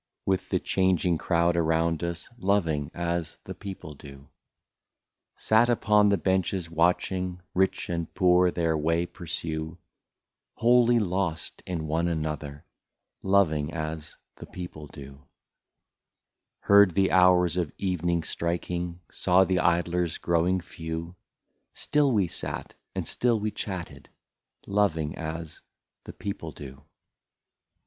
With the changing crowd around us, Loving as the people do ; Sat upon the benches watching Rich and poor their way pursue, Wholly lost in one another, — Loving as the people do ; Heard the hours of evening striking, Saw the idlers growing few, Still we sat, and still we chatted, — Loving as the people do.